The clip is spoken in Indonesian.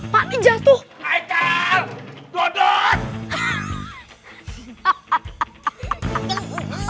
pak ni jatuh